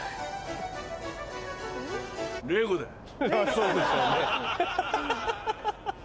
そうでしょうねハハハ。